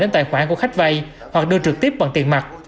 đến tài khoản của khách vay hoặc đưa trực tiếp bằng tiền mặt